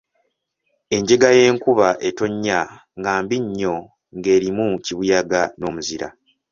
Enjega y’enkuba etonnya nga mbi nnyo ng’erimu kibuyaga n’omuzira.